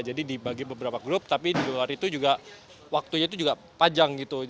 jadi dibagi beberapa grup tapi di luar itu juga waktunya itu juga panjang gitu